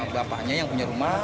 bapaknya yang punya rumah